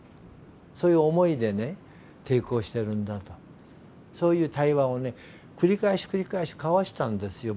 そういう思いでね抵抗してるんだとそういう対話を繰り返し繰り返し交わしたんですよ